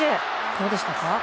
どうでしたか？